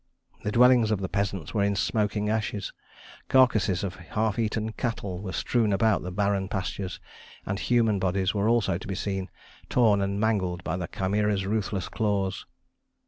The dwellings of the peasants were in smoking ashes; carcasses of half eaten cattle were strewn about the barren pastures; and human bodies were also to be seen, torn and mangled by the Chimæra's ruthless claws.